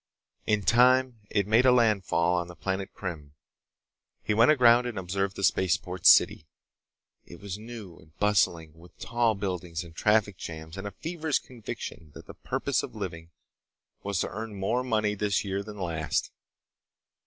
In time it made a landfall on the Planet Krim. He went aground and observed the spaceport city. It was new and bustling with tall buildings and traffic jams and a feverish conviction that the purpose of living was to earn more money this year than last.